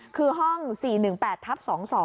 คือห้อง๔๑๘ทับ๒๒